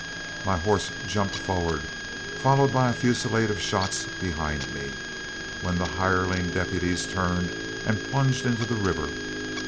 My horse jumped forward, followed by a fusillade of shots behind me, when the hireling deputies turned and plunged into the river.